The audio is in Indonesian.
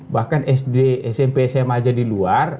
bahkan smp sma aja di luar